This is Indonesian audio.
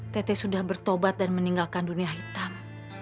tete sudah bertobat dan meninggalkan dunia hitam